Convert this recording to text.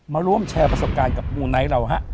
มาร่วมแชร์ประสบการณ์กับมูไนท์เราฮะ